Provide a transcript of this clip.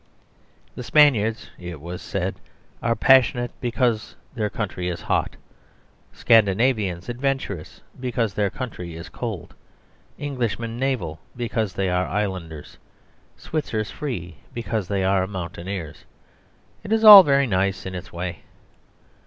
The Spaniards (it was said) are passionate because their country is hot; Scandinavians adventurous because their country is cold; Englishmen naval because they are islanders; Switzers free because they are mountaineers. It is all very nice in its way.